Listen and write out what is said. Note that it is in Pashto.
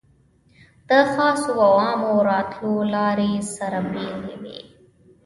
د خاصو او عامو راتلو لارې سره بېلې وې.